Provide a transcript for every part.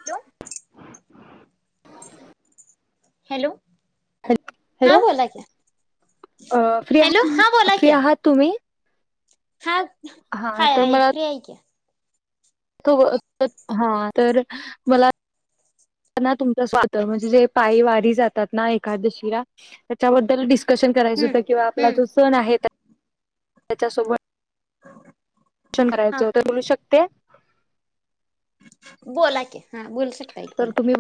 म हॅलो. हॅ हा हॅलो, बोला क्या अ फ्री हॅलो हा आहात बोला फ्री क्या आहात तुम्ही? हा हा हाय आहे फ्री आहे की. त अ हा तर मला ना तुमचं [unintelligible] म्हणजे जे पायी वारी जातात ना एकादशीला त्याच्याबद्दल डिस्कशन करायचं हम्म होत किंवा आपला हम्म जो सण आहे त्या त्याच्यासोबत हा चंदरायचं तर बोलू शकते. बोला की हा बोलू शकताय की तर बोला. तुम्ही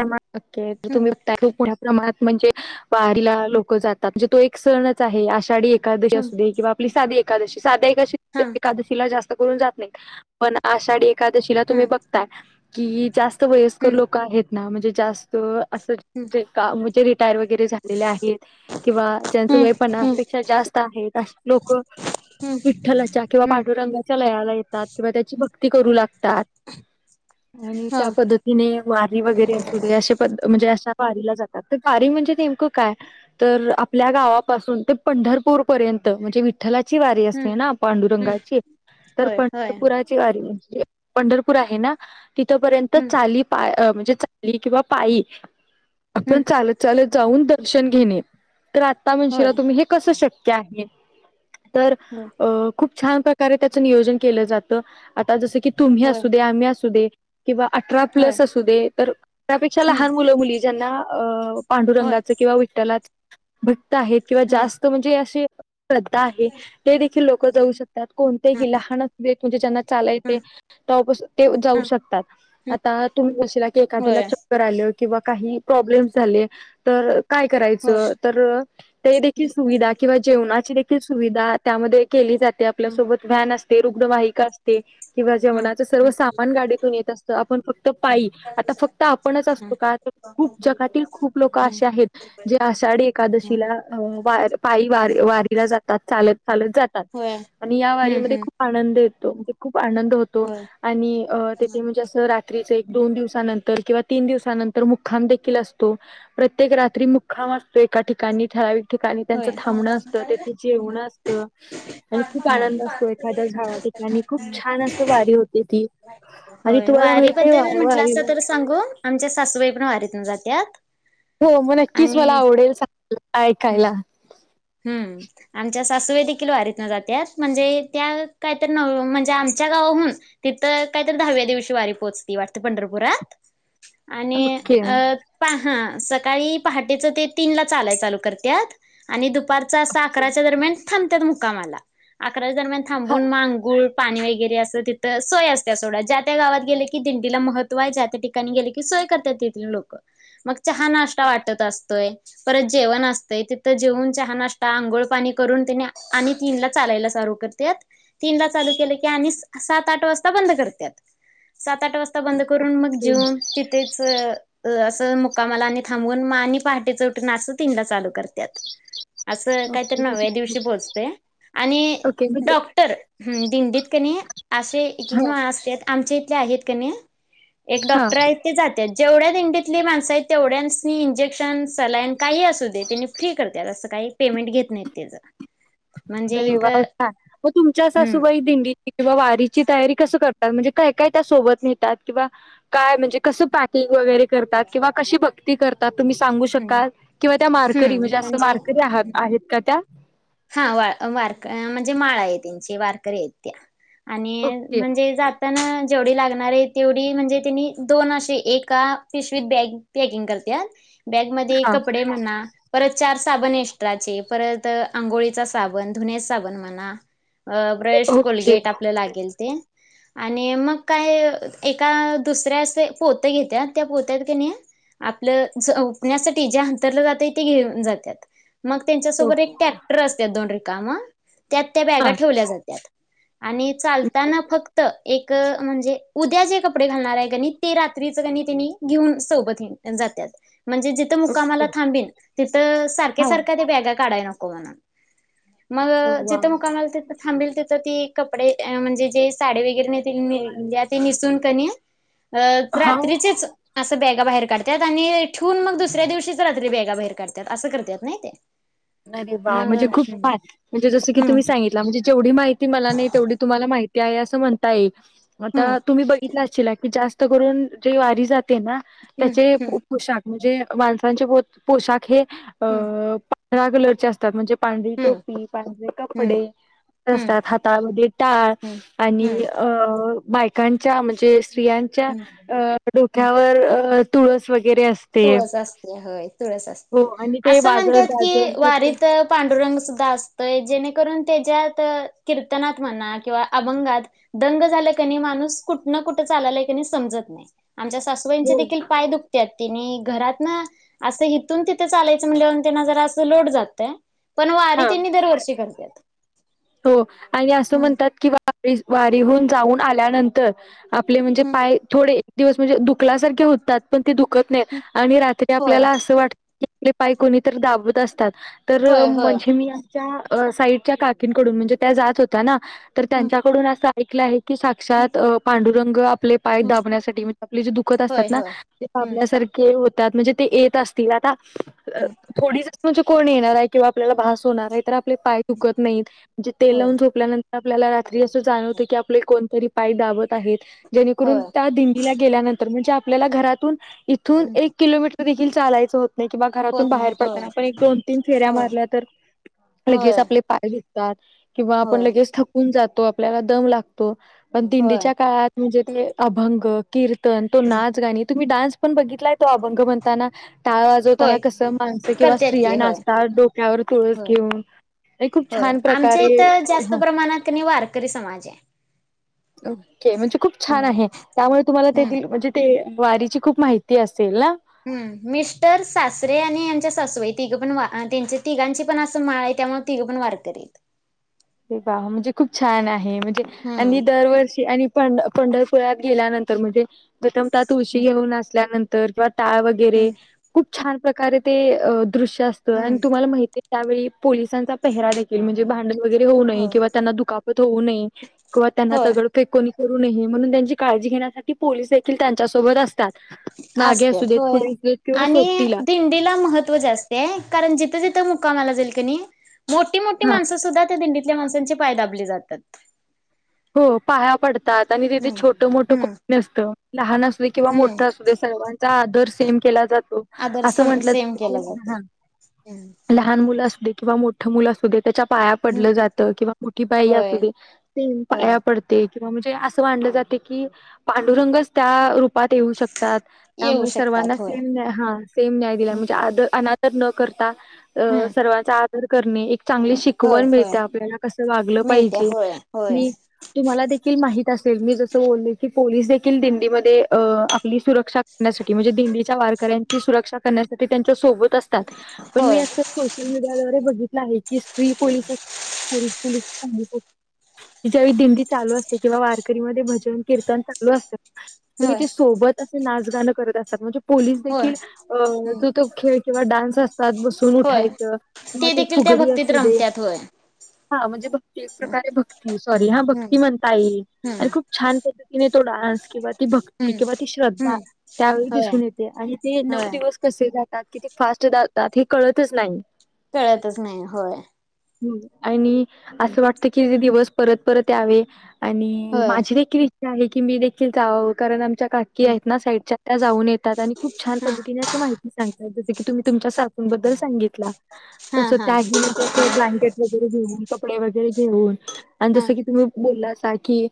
[unintelligible] हम्म तुम्ही त्या खूप मोठ्या प्रमाणात म्हणजे वारीला लोक जातात म्हणजे तो एक सणचं आहे आषाढी ए कादशी हम्म असूदे किंवा आपली साधी एकादशी साध्या एकादशी हा एकादशी तीला जास्त करुन जात नाही पण आषाढी एकादशीला तुम्ही हम्म बघताय की जास् वयस्कर हम्म लोक आहेत ना म्हणजे जास्त अस हम्म का म्हणजे रिटाय व घरी झालेलं आहेत किंवा ज्यांच वय हम्म पन्नासपेक्षा जास्त आहेत अशे लोक हम्म विठ्ठलाच्या किंवा हम्म पाडुरंगाच्या लयाला येतात किंवा त्याची भ क्ती करू लागतात आणि हा त्या पद्धतीने वारी वगरे अस हे अशे पद् म्हणजे अशा वारीला जातात तर वारी म्हणजे नेमकं काय? तर आपल्या गावापासून ते पंढरपूर पर्यंत म्हणजे वि विठ्ठलाची वारी हम्म असते ना हम्म पांडुरंगाची तर होय होय पंढरपुरात पंढरपूर आहे ना तिथ पर्यंतच हम्म चाली पाय अं म्हण चाली किंवा पायी आपण हम्म चालत चालत जाऊन दर्शन घेणे. काय म्हणशीला होय तुम्ही हे कसं शक्य आहे तर बरं अं... खूप छान प्रकारे त्याचं नियोजन केलं जातं आता जसं की तुम्ही होय असू द्या मी असू दे. किंवा अठरा होय प्लस असू दे तर अठरापेक्षा हम्म लहान मुलं मुली ज्यांना अ होय पांडुरंगाच किंवा विठ्ठलाच भक्त आहेत किंवा होय जास्त म्हणजे अशे श्रद्धा आहे ते देखील लोक जाऊ शकतात ह कोणतेही लहान असु देत म्हणजे ज्यांना चालाय ह येतयं. तेव्हा पासून ते जाऊ ह शकतात आता तुम्ही म्हणशीला एखाद्याला होय चक्कर आलं किंवा काही प्रॉब्लेम् झाले तर काय होय करायचं तर ते देखील सुविधा किंवा जेवणाची देखील सुविधा त्यामध्ये केली जाते ह आपल्यासोबत व्हॅन अस ते रुग्णवाहिका असते किंवा ह जेवणाच ह सर्व सामान गाडीतून येत असतं आपण फक्त पायी आता फक्त आपणच असतो का खूप जगातील खूप लोक ह असे आहेत जे आषाढी ह एकादशीला अ वा पायी व वारीला जातात चालत चालत जातात होय आणि या हम्म वारीमध्ये हम्म खूप आनंद येतो म्हणजे खूप आनंद होतो होय आणि अं तेथे म्हणजे अस रात्री एक दोन दिवस नंतर किंवा तीन दिवसानंतर मुखाम देखील असतो. प्रत्येक रात्री मुक्काम असतो एका ठिकाणी ठरावीक ठिकाणी त्यांच होय थांबणं असतं तेथे जेवणं असतं आणि खूप होय आनंद असतो एखाद्या झा आणि खूप छान असं वारी होते ती आणि तुम्हाला माहिताय वारीला आंग आमच्या सासूबाई पण वारीतून जात्यात हो हो नक्कीच मला आणि आवडेल सांगायला हम्म ऐकायला हम्म आमच्या सासूबाई देखील वारीत न जात्यात म्हणजे त्या काहीतरी न म्हणजे आमच्या गावाहून तिथं कायतरी दहाव्या दिवशी वारी पोहचती वाटतं वारी पंढरपुरात आणि ओके अ प हां सकाळी पहाटेचं ते तीनला चालाय चालू करत आणि दुप दुपारचा अस अकराच्या दरम्यान थांबत्यात मुकामाला अकराच्या दरम्यान हा थांबून म आंघोळ पाणी वगैरे असं तिथं सोय असत्या सोडा ज्या त्या गावात गेले की दिंडीला महत्त्व आहे ज्या त्या त्यांनी गेल की सोय करत्यात तिथली लोक चहा नाश्ता वाटत असतोय परत जेवण असतंय तिथं जेऊन चहा नाष्टा आंघोळ पाणी करून त्यानी आणि तीन ला चालायला चालू करत्यात. तीन ला चालू केलं की आणि सात आठ वाजता बंद करत्यात सात आठ वाजता बंद करून मग ओके जेवून तिथेच अ असं मुकामाला आणि थांबवून आणि पहाटे च उटून अस तीनला चालू करत्यात. असं काहीतरी म्हणजे नव्या दिवशी पोहचते आणि ओके म्हणजे डॉक्टर हम्म दिंडीत कणी असे एक हा एक असत्यात आमच्या इथले आहेत कणी एक हा डॉक्टर आहेत. ते जात्यात जेवढ्या दिंडीतली माणसं आहेत तेवढ्यांसनी इंजेक्शन सलाइन काही असू दे त्यांनी फ्री करत्यात काही पेमेंट घेत नाहीत त्याचं म तुमच्या हम्म सासूबाई दिंडीत किंवा वारीची तयारी कसं करतात? म्हणजे काय काय त्या सोबत न्हेतात? किंवा काय म्हणजे कसं पॅकिंग वगैरे करतात? किंवा कशी भ ती करतात तुम्ही सांगू हम्म शकाल? किंवा त्या वारकरी म्हणजे असं वारकरी आहात आहेत का त्या? हा वा वारक म्हणजे माळ आहे त्यांची वारकरी आहेत त्या आणि ओके म्हणजे जात ताना जेवढी लागणार आहे तेवढी म्हणजे त्यांनी दोन असे एका पिशवीत बॅग पॅकिंग करत्यात. बॅगमध्ये हा कपडे म्हणा परत चार साबण एक्स्ट्राचे परत अंघोळीचा साबण, धुण्याचा साबण म्हणा ब्रश, ओके कोलगेट आपलं लागेल ते आणि मग काय एका दुसऱ्या असं पोतं घेत्या त्या पोत्यात की नाही आपलं झोपण्यासाठी जे अंथरलं जातय ते घेऊन जातात. मग हो त्यांच्यासोबर एक टॅक्टर असत्यात दोन रिकामं त्यात त्या बॅगा हा ठेवल्या जातात. आणि चालताना फक्त एक म्हणजे उद्या जे कपडे घालणार आहे कणी ते रात्रीच कणी त्यांनी घेऊन सोबत जात्यात. म्हणजे जिथं मुक्कामाला ओके थांबिल तिथं सारख्या हा सारख्या त्या बॅगा काढाय नको म्हणून मग वा जिथं मुकामाला तिथ थांबील तिथं ती कपडे म्हणजे जे साडी वगैरे ते न्हील्या ती निसून कणी [inaudible] अ हा रात्रीचीच असं बॅगा बाहेर काढत्यात आणि ठेऊन मग दुसऱ्या दिवशीच रात्री बॅगा बाहेर काढत्यात असं करत्यात नाही ते अरे वा मग म्हणजे खूप काय म्हणजे जसं की हम्म तुम्ही सांगित तला म्हणजे जेवढी माहिती मला नाही तेवढी तुम्हाला माहिती आहे असं म्हण ताई हम्म आता तुम्ही बिघितला अशिला जास्त करून जी वारी जाते ते ना हम्म त्याचे हम्म पोशाख म्हणजे माणसांचे पोशाख हे अ हम्म कलर चे असतात म्हणजे पांढरी हम्म टोपी, पांढरे हम्म कपडे हम्म असतात हातामध्ये टाळ हम्म आणि हम्म अ बायकांच्या म्हणजे स्त्रियां च्या हम्म हम्म डोक्यावर तुळस वगैरे अस तुळस असत्या होय तुळस आणि असत्या ते असं वाजत म्हणत्यात की गाजत कीर्तन वारीत तिथं पांडुरंग सुद्धा असतोय जेणेकरून त्याच्यात कीर्तनात म्हणा किंवा अभंगात दंग झालं कनी माणूस कुठन कुठ चाललाय समजत नाही आमच्या सासू चे हो देखील पाय दुखत्यात तेनी घरातनं असं हिथून तिथं चालायचं म्हणल्यावर त्यांना जरा असं लोड जातय पण वारी हा त्यांनी दरवर्षी करत्यात. हो आणि असं हम्म म्हणतात की व वारीहून जाऊन आल्यानंतर आपले म्हणजे हम्म पाय थोडे एक दिवस म्हणजे दुखल्यासारखे होतात पण ते दुखत नाही हम्म आणि रात्री होय आपल्याला असं वाटत की आपले पाय कोणीतरी दाबत असतात. तर होय होय म्हणजे मी आमच्या साईडच्या काकींकडून म्हणजे त्या जात होत ना तर हम्म त्यांच्याकडून असं ऐकलं आहे की हम्म साक्षात पांडुरंग आपले पाय हम्म दाबण्यासाठी म्हणजे आपले जे दुःखत होय असतात ना होय. ते हम्म दाबल्यासार खे होतात म्हणजे ते येत असतील आता हम्म थोडी ज म्हणजे कोण येणार आहे किंवा आपल्याला भास होणार आहे तर आपले पाय दुखत नाहीत म्हणजे तेल होय होय लावून झोपल्यानंतर आपल्याला रात्री अस जाणवतं की आपले कोणतरी पाय दाबत आहेत जेणेकरून होय त्या दीन डीला गेल्यानंतर म्हणजे आपल्याला घरातून इथून हम्म एक किलोमीटर देखील चालायचं होत नाही किंवा घरातून होत नाही बाहेर पडताना होय आपण एक दोन तीन फेऱ्या मारल्या तर होय लगेच आपले पाय दुख तात किंवा आपण होय लगेच थकून जातो आपल्याला दम लागतो पण होय दिंडीच्या काळात म्हणजे ते अभंग किर्तन तो होय नाच गाणी तुम्ही डान्स पण बघितलाय तो अभंग म्हणताना‌. टाळ वाजवताना होय कसं माणसं किंवा करत्यात स्त्रिया की होय नाचतात डोक्यावर तुळस होय घेऊन. हे खूप होय. छान आमच्या प्रकारे इथं जास्त ह प्रमाणात कानाही वारकरी समाज आहे‌. ओके म्हणजे खूप छान हम्म आहे. त्यामुळे तुम्हाला त्यातील म्हणजे ते वारीची खूप माहिती असेल ना, ह मिस्टर, सासरे आणि यांच्या सासूबाई तिघं पण वा त्यांच्या तिघांची पण असं माळ आहे. त्यामुळं तिघ पण वारकरी आहेत. ते वा म्हणजे खूप छान आहे. म्हणजे हम्म आणि दरवर्षी आणि पंढर पंढरपुरात गेल्यानंतर म्हणजे प्रथम ता तुळशी घेऊन असल्यानंतर किंवा टाळ व वैरे हम्म खूप छान प्रकारे ते दृश्य असत. आणि हम्म तुम्हाला माहिती त्यावेळी पोलिसांचा पेहरा देखील म्हणजे भांड देऊ नये होय किंवा त्यांना दुखापत होऊ नये किंवा त्यांना होय दगड काही कोणी करू नये म्हणून त्यांची काळजी घेण्यासाठी पोलीस देखील त्यांच्यासोबत असतात. मागे असू असत्यात देत होय पुढे असू देत किंवा आणि सोबतीला दिंडीला महत्त्व जास्त ते कारण जिथं जिथं मुक्कामाला जाईल कनी मोठी मोठी हा माणसं सुद्धा त्या दिंडीत त्या माणसांचे पाय दाबले जातात. हो पाया पडतात. आणि तिथे हम्म छोटं मोठं हम्म कोणी नसतं. लहान अस किंवा हम्म मोठं असु दे सर्वाचा आदर सेम केला जातो. असं म्हटलं हम्, लहान मुलं असू दे किंवा मोठं मुलं असू दे त्याच्या पाया पडलं जात. किंवा मोठी बाई होय असू दे [unintelligible] होय पडते किंवा म्हणजे अस मानलं जाते की पांडुरंगच त्या रूपात येऊ शकतात. येऊ त्यामुळे सर्वाना शकतात होय. सेम हा सेम न्याय दिला. म्हणजे आद अनादर न करता हम्म सर्वाचा आदर करणे. एक चांगली होय शिकवण होय मिळते आपल्याला कसं वागलं मिळत्या पाहिजे. होय होय मी तुम्हाला देखील माहित असेल. मी जस बोलले की पोलीस देखील दिंडीमध्ये अ आपली सुरक्षा [unintelligible] म्हणजे दिंडीच्या वारकऱ्यांची सुरक्षा करण्यासाठी त्यांच्या सोबत असतात पण मी होय असं सोशल मीडिया द्वारे बघितला आहे की, स्त्री पोलिसच पोलिस पोलिस [unintelligible] की ज्यावेळी दिंडी चालू असते. किंवा वारकरीमध्ये भजन, किर्तन चालू असतं तरी होय ते सोबत असे नाच गाणं करत असतात. म्हणजे पोलीस होय देखील हम्म जो तो खेळ किंवा डान्स असतात. बसून होय उठायचं किंवा ते देखील त्या फुगडी भक्तीत असू दे रमत्यात होय. हा म्हणजे तो एक हम्म प्रकारे भक्त सॉरी हा भक्ती हम्म म्हणता येईल. आणि खूप छान पद्धतीने तो डान्स किंवा ती भक्ती हम्म किंवा ती श्रद्धा हम्म त्यावेळी होय दिसून येते. आणि ते नऊ होय दिवस कसे जातात किती फास्ट जातात हे कळतच नाही. कळतच नाही होय. आणि असं वाटतं की ते दिवस परत परत यावे. आणि होय माझी देखील इच्छा आहे की मी देखील जाव. कारण आमच्या का की आहेत ना, साईडच्या त्या जाऊन येतात. आणि खूप छान हा पद्धतीने असं माहिती सांगतात. जसं की तुम्ही तुमच्या सासुबद्दल सांगित तला हा तसं हा त्याही म्हणजे अस ब्लँकेट वगैरे घेऊन कपडे वगैरे घेऊन आणि हा जस की तुम्ही बोलला असाल की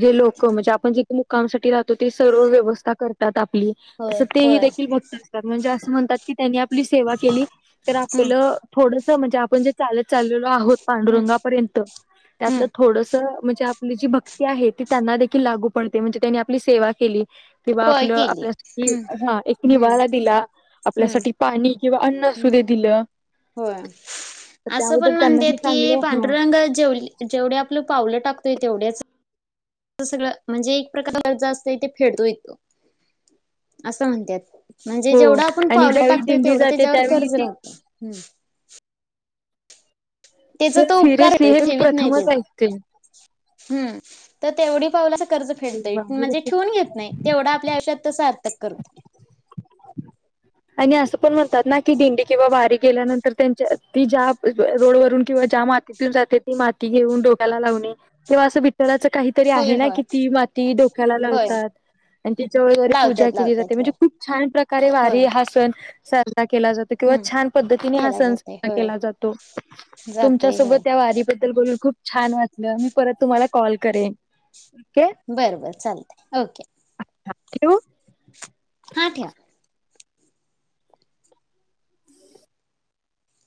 जे लोक म्हणजे आपण जे मुक्कामसाठी राहतो. ते सर्व व्यवस्था कर -तात आपली होय तसं तेही होय देखील भक्त असतात. म्हणजे असं म्हणतात की, त्यांनी आपली सेवा केली. तर हम्म आपलं थोडस म्हणजे आपण जे चालत चाललेलो आहोत हम्म पांडुरंगापर्यंत त्यातलं हम्म थोडस म्हणजे आपली जी भक्ती आहे ती त्यांना देखील लागू पडते, म्हणजे त्यांनी आपली सेवा केली. किंवा होय आपलं केली आपल्यासाठी हम्म हा एक हम्म निवारा दिला. हम्म आपल्यासाठी पाणी किंवा अन्न हम्म असू दे दिलं होय, तर असं त्याबद्दल पण म्हणतेत त्यांनाही की चांगलं ह पांडूरंग जेवले जेवढी आपलं पावलं टाकतोय तेवढ्याच सगळ म्हणजे एक प्रकार कर्ज असतंय ते फेडतो इथं असं म्हणत्यात. म्हणजे हो जेवढं आपण आणि पावलं ज्यावेळी टाकतोय दिंडी तेवढं जाते त्याच्यावर त्यावेळी कर्ज ती राहतं. त्याचा तो उपकार सिरियसली होतोय, हे तो मी ठेवीत नाही प्रथमच तेला. ऐकते हम्म तर तेवढी पाऊलाच कर्ज फेडतोय म्हणजे ठेवून घेत नाही. तेवढं आपल्या आयुष्यात तो सार्थक करतो. आणि असं पण म्हणतात ना की दिंडी किंवा वारी गेल्यानंतर त्यांच्या ती ज्या रोडवरून किंवा ज्या मा तीतून जाते ती माती घेऊन डोक्याला लावणे, किंवा असं विठ्ठलाचं काही तरी होय आहे ना होय की ती माती डोक्याला होय लावतात. आणि तिच्या [unintelligible] वरी पूजा लावत्यात केली जाते लावत्यात म्हणजे होय खूप छान प्रकारे वारी होय हा सण साजरा केला जातो. किंवा हम्म. छान पद्धतीने हा केला सण जातय साजरा होय केला जातो. जातय तुमच्यासोबत होय त्या वारीबद्दल बोलून खूप छान वाटलं. मी परत तुम्हाला कॉल करेन ओके. बरबर चालतंय, ओके. ठेऊ? हां ठेवा.